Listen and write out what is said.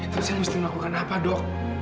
terus saya mesti melakukan apa dok